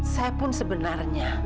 saya pun sebenarnya